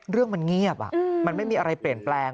เรื่องมันเงียบมันไม่มีอะไรเปลี่ยนแปลง